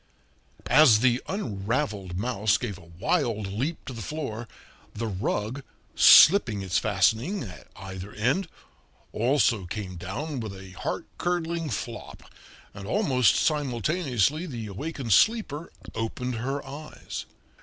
As the unraveled mouse gave a wild leap to the floor, the rug, slipping its fastening at either end, also came down with a heart curdling flop, and almost simultaneously the awakened sleeper opened her eyes.